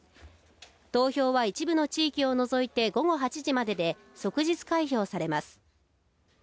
投票は一部の地域を除いて午後８時までで即日開票されます。